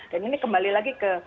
dan ini kembali lagi ke